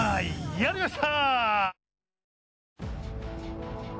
やりました！